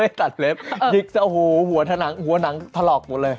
ไม่ตัดเล็บหยิกจะหัวหนังถลอกหมดเลย